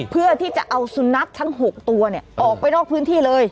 เพื่อที่จะเอาสุนัขทั้ง๖ตัวออกไปนอกพื้นที่เลย